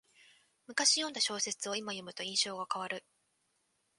むかし読んだ小説をいま読むと印象が変わる